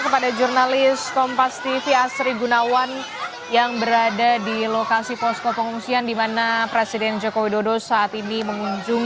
kemudian merupakan kemasalahan dan kemasalahan yang terdampak di hujan gunung marapi ini setuju dan bersedia untuk direlokasi